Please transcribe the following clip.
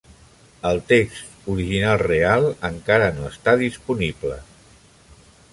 El text original real encara no està disponible.